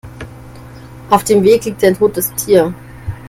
Auf dem Weg liegt ein totes Tier.